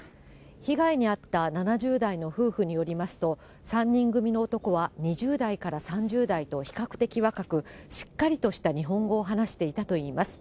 被害に遭った７０代の夫婦によりますと、３人組の男は２０代から３０代と比較的若く、しっかりとした日本語を話していたといいます。